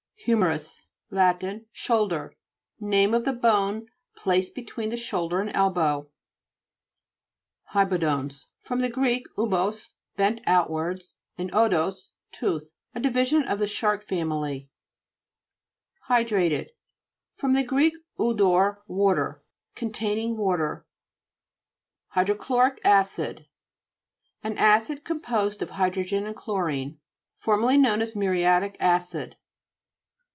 HI/MERITS Lat. Shoulder. Name of the bone placed between the shoulder and elbow. HT'BODOKS fr.gr.w6o5, bent out wards, and odous, tooth. A divi sion of the shark family (p. 44). HY'DRATED fr. gr. 'udor, water. Containing water. HYDROCHLORIC ACID An acid com posed of hydrogen and chlorine, formerly known as muriatic acid.